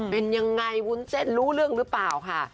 เป็นยังไงวุ้นเส้นรู้เรื่องหรือเปล่าค่ะ